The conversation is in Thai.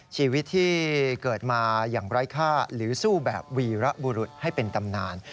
ชีวิตที่เกิดมาอย่างไร้ค่าหรือสู้แบบวีระบุรุษให้เป็นตำนาน